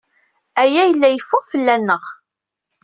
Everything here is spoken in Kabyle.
Aya yella yeffeɣ fell-aneɣ.